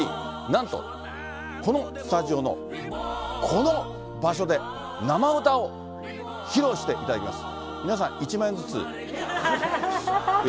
なんと、このスタジオの、この場所で、生歌を披露していただきます。